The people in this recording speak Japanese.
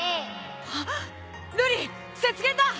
あっ瑠璃雪原だ！